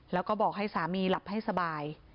แล้วก็บอกให้สามีหลับให้สบาย